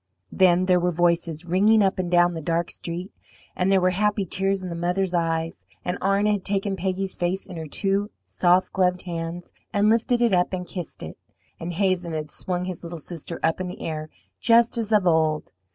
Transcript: Then there were voices ringing up and down the dark street, and there were happy tears in the mother's eyes, and Arna had taken Peggy's face in her two soft gloved hands and lifted it up and kissed it, and Hazen had swung his little sister up in the air just as of old.